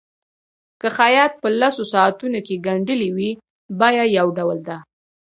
که خیاط په لسو ساعتونو کې ګنډلي وي بیه یو ډول ده.